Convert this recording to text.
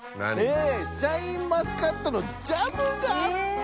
シャインマスカットのジャムがあった！